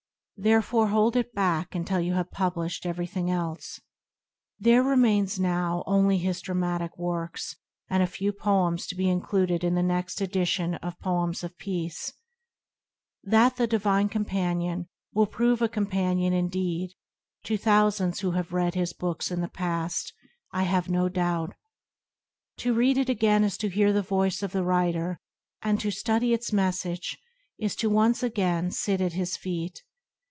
Therefore hold it back until you have published everything else." There remain now only his dramatic works and a few poems to be included in the next edition of Poems of Peace. That The Divine Companion will prove a companion indeed to thousands who have read his books in the past, I have no doubt. To read it is to hear again the voice of tne writer, and to study its message is to once again sit at his feet.